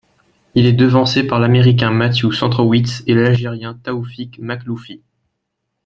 Il est devancé par l'Américain Matthew Centrowitz et l'Algérien Taoufik Makhloufi.